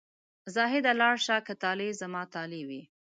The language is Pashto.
زاهده لاړ شه که طالع زما طالع وي.